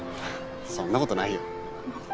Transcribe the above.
そんな事ないよ。